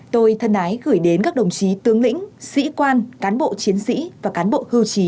tôi thân ái gửi đến các đồng chí tướng lĩnh sĩ quan cán bộ chiến sĩ và cán bộ hưu trí